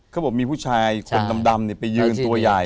เขาบอกมีผู้ชายคนดำไปยืนตัวใหญ่